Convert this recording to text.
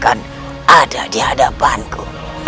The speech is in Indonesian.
kalahkan ada di hadapanku